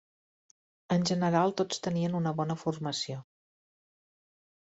En general tots tenien una bona formació.